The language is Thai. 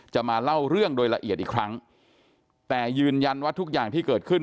มาเล่าเรื่องโดยละเอียดอีกครั้งแต่ยืนยันว่าทุกอย่างที่เกิดขึ้น